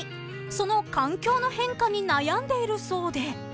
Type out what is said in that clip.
その環境の変化に悩んでいるそうで］